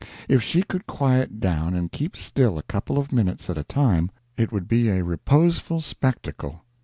If she could quiet down and keep still a couple minutes at a time, it would be a reposeful spectacle.